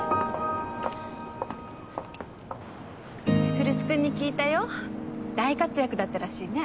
来栖君に聞いたよ大活躍だったらしいね。